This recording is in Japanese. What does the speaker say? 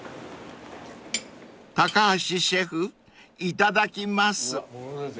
［高橋シェフいただきます］